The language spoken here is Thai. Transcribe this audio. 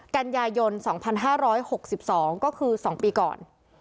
กันยายน๒๕๖๒ก็คือ๒ปีก่อน